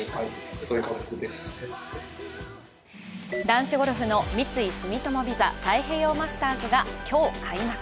男子ゴルフの三井住友ＶＩＳＡ太平洋マスターズが今日、開幕。